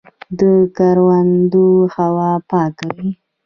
د کروندو هوا پاکه وي.